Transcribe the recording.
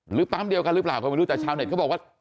ปั๊มเดียวกันหรือเปล่าก็ไม่รู้แต่ชาวเน็ตเขาบอกว่า